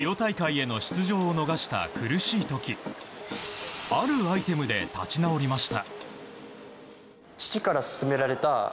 ５年前、リオ大会への出場を逃した苦しい時あるアイテムで立ち直りました。